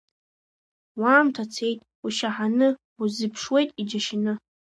Уаамҭа цеит ушьаҳаны, уазыԥшуеит иџьашьаны.